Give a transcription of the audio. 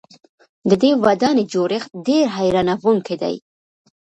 د دې ودانۍ جوړښت ډېر حیرانوونکی دی.